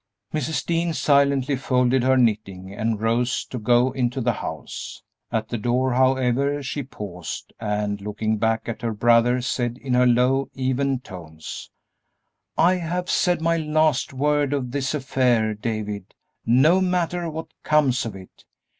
Mrs. Dean silently folded her knitting and rose to go into the house. At the door, however, she paused, and, looking back at her brother, said, in her low, even tones, "I have said my last word of this affair, David, no matter what comes of it.